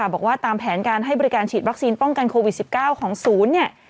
บอกว่าตามแผนการให้บริการฉีดวัคซีนป้องกันโควิด๑๙ของศูนย์เนี่ย